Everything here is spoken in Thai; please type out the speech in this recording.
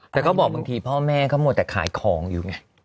แต่ก็บอกบางทีพ่อแม่เขามัวแต่ขายของอยู่ไง